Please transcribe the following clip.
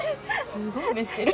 すごい目してる。